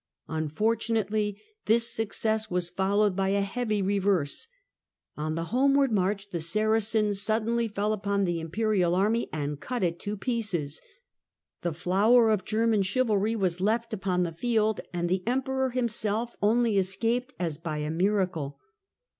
Unfortunately, this success was followed by a heavy reverse. On the homeward march the Saracens suddenly fell upon the imperial army and cut it to pieces. The flower of German chivalry was left upon the field, and the Emperor himself only escaped as by a miracle.